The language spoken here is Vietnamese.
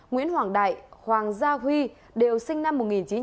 nguyễn hoàng đại hoàng gia huy đều sinh năm một nghìn chín trăm chín mươi ba